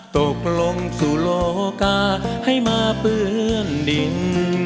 ตกลงสู่โลกาให้มาเปื้อนดิน